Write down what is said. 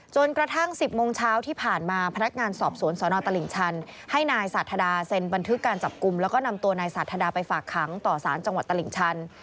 กระทั่ง๑๐โมงเช้าที่ผ่านมาพนักงานสอบสวนสนตลิ่งชันให้นายสาธาดาเซ็นบันทึกการจับกลุ่มแล้วก็นำตัวนายสาธาดาไปฝากขังต่อสารจังหวัดตลิ่งชัน